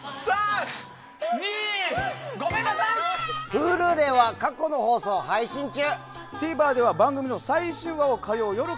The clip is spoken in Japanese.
Ｈｕｌｕでは過去の放送を配信中。